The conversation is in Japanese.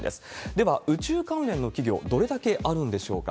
では、宇宙関連の企業、どれだけあるんでしょうか。